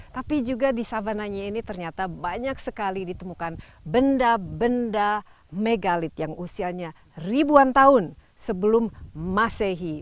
tapi juga di savananya ini ternyata banyak sekali ditemukan benda benda megalit yang usianya ribuan tahun sebelum masehi